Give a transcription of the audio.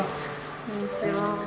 こんにちは。